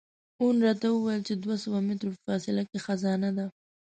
وون راته وویل چې دوه سوه مترو په فاصله کې خزانه ده.